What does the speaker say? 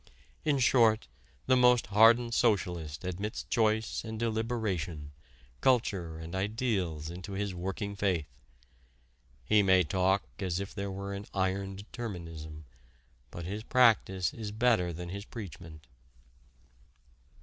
In short, the most hardened socialist admits choice and deliberation, culture and ideals into his working faith. He may talk as if there were an iron determinism, but his practice is better than his preachment.